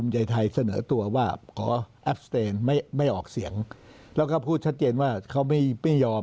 ให้ออกเสียงแล้วก็พูดชัดเจนว่าเขาไม่ยอม